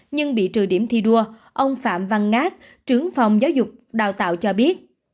nhưng bị trừ điểm thi đua ông phạm văn ngát trưởng phòng giáo dục đào tạo cho biết